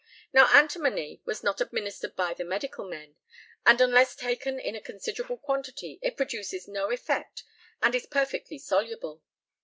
Now, antimony was not administered by the medical men, and unless taken in a considerable quantity it produces no effect and is perfectly soluble.